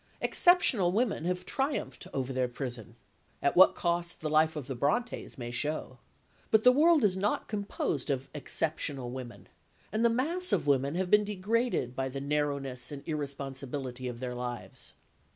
Exceptional women have triumphed over their prison (at what cost the life of the Brontës may show), but the world is not composed of exceptional women, and the mass of women have been degraded by the narrowness and irresponsibility of their lives.